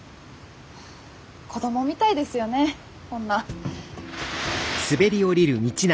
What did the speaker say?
子供みたいですよねこんな。